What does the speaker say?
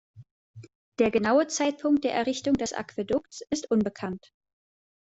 Der genaue Zeitpunkt der Errichtung des Aquädukts ist unbekannt.